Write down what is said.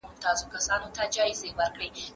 استاد وویل چې لویه ټولنپوهنه ټول نظام څېړي.